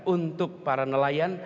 untuk para nelayan